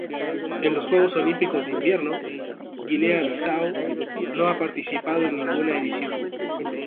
En los Juegos Olímpicos de Invierno Guinea-Bisáu no ha participado en ninguna edición.